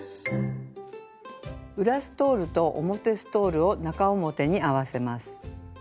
裏ストールと表ストールを中表に合わせます。